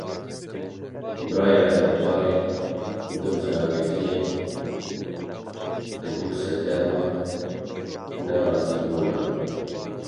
Biryara derbarê Doza Geziyê de bû sedema nerazîbûnan.